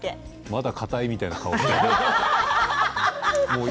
まだかたいみたいな顔。